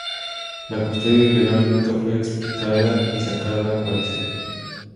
La custodia ilegal nunca fue explicada ni sacada a colación.